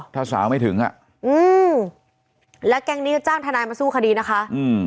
ถ้าสาวไม่ถึงอ่ะอืมแล้วแก๊งนี้จะจ้างทนายมาสู้คดีนะคะอืม